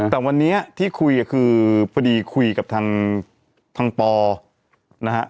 แต่วันนี้ที่คุยคือพอดีคุยกับทางปนะฮะ